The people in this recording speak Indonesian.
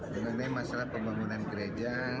mengenai masalah pembangunan gereja